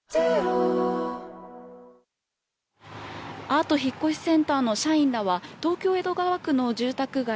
アート引越センターの社員らは東京・江戸川区の住宅街